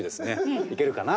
いけるかな？